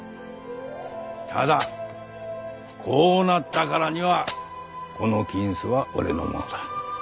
ただこうなったからにはこの金子は俺のものだ。